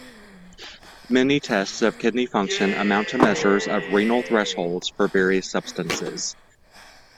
Many tests of kidney function amount to measures of renal thresholds for various substances.